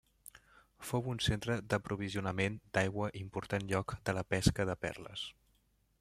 Fou un centre d'aprovisionament d'aigua i important lloc de la pesca de perles.